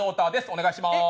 お願いします